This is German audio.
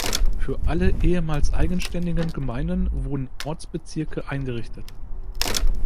Für alle ehemals eigenständigen Gemeinden wurden Ortsbezirke eingerichtet.